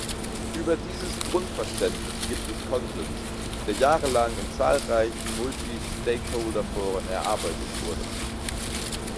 Über dieses Grundverständnis gibt es Konsens, der jahrelang in zahlreichen Multi-Stakeholder-Foren erarbeitet wurde.